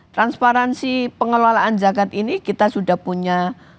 transparansi pengelolaan zakat ini kita sudah punya